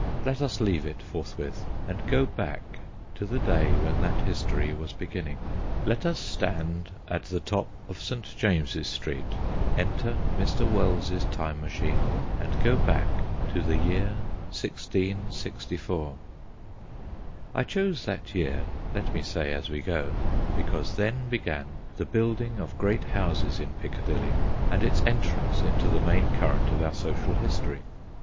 Let us leave it forthwith and go back to the day when that history was beginning. Let us stand at the top of St. James's Street, enter Mr. Wells's Time Machine, and go back to the year 1664. I choose that year (let me say as we go) because then began the building of great houses in Piccadilly, and its entrance into the main current of our social history.